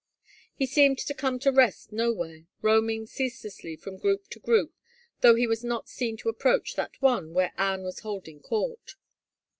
He seemed to come to rest nowhere, roaming ceaselessly from group to group though he was not seen to approach that one where Anne was holding court.